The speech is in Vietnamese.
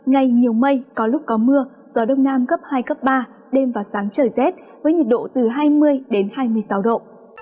ngày nhiều mây có lúc có mưa gió đông nam cấp hai cấp ba đêm và sáng trời rét với nhiệt độ từ hai mươi đến hai mươi sáu độ